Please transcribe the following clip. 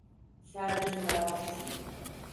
Sen bir savaşçısın.